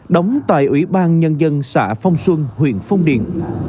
đóng tại ủy ban nhân dân xã phong xuân huyện phong điền